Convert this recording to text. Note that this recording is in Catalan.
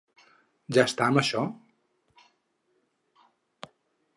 Ja està amb això?